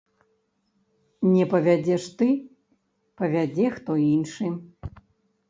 Не павязеш ты, павязе хто іншы!